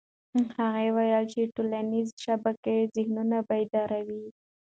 هغه وویل چې ټولنيزې شبکې ذهنونه بیداروي.